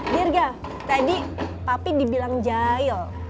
dirga tadi papi dibilang jail